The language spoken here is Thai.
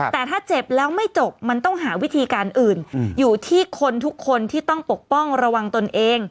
แต่ถ้าเจ็บแล้วไม่จบมันต้องหาวิธีการอื่นอยู่ที่คนทุกคนที่ต้องปกป้องระวังตนเอง